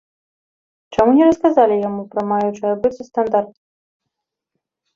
Чаму не расказалі яму пра маючы адбыцца стандарт?